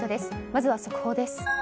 まずは速報です。